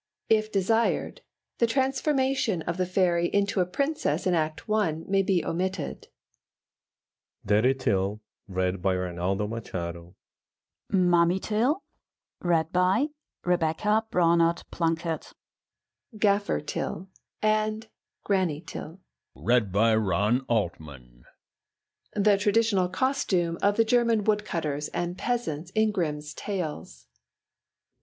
If desired, the transformation of the Fairy into a princess in Act I may be omitted. DADDY TYL, MUMMY TYL, GAFFER TYL and GRANNY TYL. The traditional costume of the German wood cutters and peasants in Grimm's Tales.